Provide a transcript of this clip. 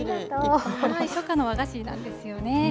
初夏の和菓子なんですよね。